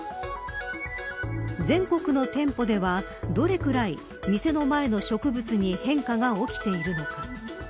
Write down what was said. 全国の店舗ではどれぐらい店の前の植物に変化が起きているのか。